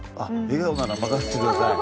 笑顔なら任せてください。